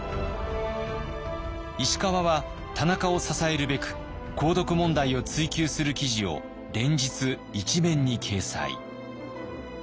石川は田中を支えるべく鉱毒問題を追及する記事を連日１面に掲載。